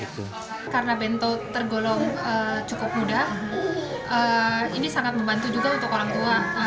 karena bento tergolong cukup mudah ini sangat membantu juga untuk orang tua